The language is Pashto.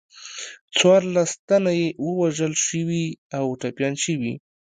څوارلس تنه یې وژل شوي او ټپیان شوي.